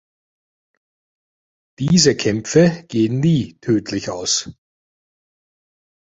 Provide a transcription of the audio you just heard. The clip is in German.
Diese Kämpfe gehen nie tödlich aus.